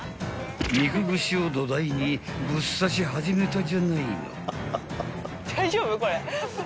［肉串を土台にぶっ刺し始めたじゃないの］